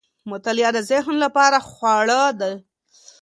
مطالعه د ذهن لپاره خواړه دي.